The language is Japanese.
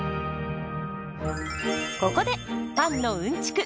ここでパンのうんちく